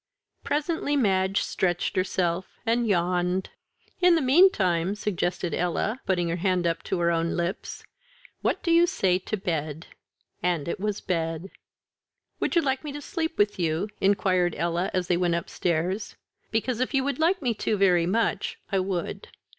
Presently Madge stretched herself and yawned. "In the meantime," suggested Ella, putting her hand up to her own lips, "what do you say to bed?" And it was bed. "Would you like me to sleep with you," inquired Ella as they went upstairs; "because if you would like me to very much, I would."